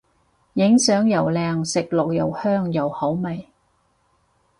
影相又靚食落又香又好味